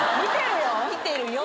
見てるよ。